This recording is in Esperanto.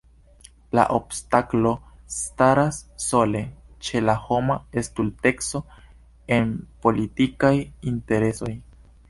La obstaklo staras sole ĉe la homa stulteco en politikaj interesoj.